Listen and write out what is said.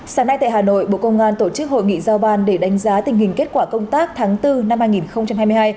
sáng nay tại hà nội bộ công an tổ chức hội nghị giao ban để đánh giá tình hình kết quả công tác tháng bốn năm hai nghìn hai mươi hai